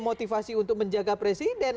motivasi untuk menjaga presiden